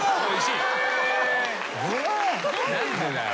何でだよ？